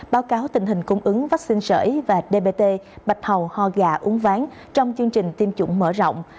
báo cáo tình hình cung ứng vaccine sởi và dbt bạch hầu ho gà uống ván trong chương trình tiêm chủng mở rộng